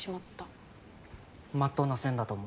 まっとうな線だと思う。